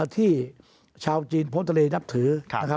ที่ชาวจีนพ้นทะเลนับถือ